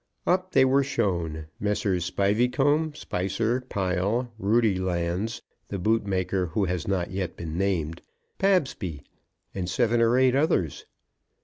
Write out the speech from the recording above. Up they were shown, Messrs. Spiveycomb, Spicer, Pile, Roodylands, the bootmaker who has not yet been named, Pabsby, and seven or eight others.